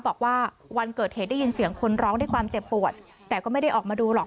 บอกว่าวันเกิดเหตุได้ยินเสียงคนร้องด้วยความเจ็บปวดแต่ก็ไม่ได้ออกมาดูหรอก